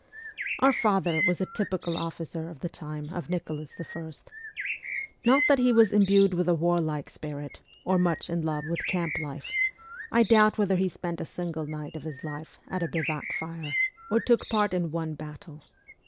Our father was a typical officer of the time of Nicholas I. Not that he was imbued with a warlike spirit or much in love with camp life ; I doubt whether he spent a single night of his life at a bivouac fire, or 12 MEMOIRS OF A REVOLUTIONIST took part in one battle.